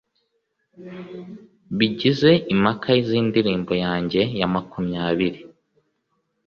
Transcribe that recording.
bigize impaka zindirimbo yanjye ya makumyabiri